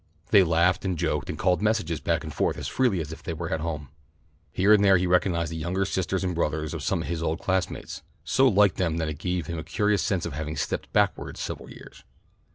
They laughed and joked and called messages back and forth as freely as if they were at home. Here and there he recognized the younger sisters and brothers of some of his old classmates, so like them that it gave him a curious sense of having stepped backward several years.